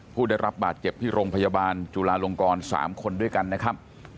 ผู้ได้รับบาดเจ็บที่โรงพยาบาลจุลาลงกร๓คนด้วยกันนะครับ